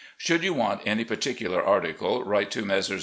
Should you want any particular article, write to Messrs.